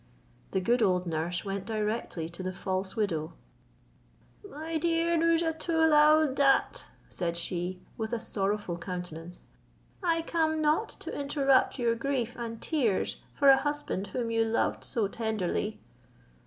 The good old nurse went directly to the false widow. "My dear Nouzhatoul aouadat," said she, with a sorrowful countenance, "I come not to interrupt your grief and tears for a husband whom you loved so tenderly."